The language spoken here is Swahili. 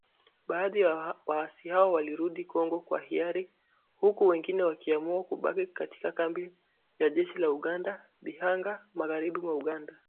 Baadhi ya waasi hao walirudi Kongo kwa hiari, huku wengine wakiamua kubaki katika kambi ya jeshi la Uganda ya Bihanga, magharibi mwa Uganda.